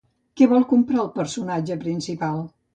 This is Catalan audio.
Què vol comprovar el personatge principal?